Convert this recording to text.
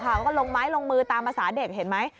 เขาก็ลงไม้ลงมือตามภาษาเด็กเห็นไหม